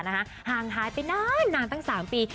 นะคะห่างหายไปนานนานตั้ง๓ปี